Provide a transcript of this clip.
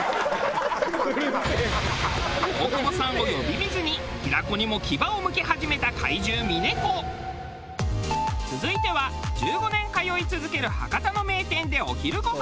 大久保さんを呼び水に平子にも続いては１５年通い続ける博多の名店でお昼ごはん。